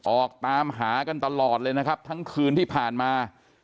ออกตามหากันตลอดเลยนะครับทั้งคืนที่ผ่านมา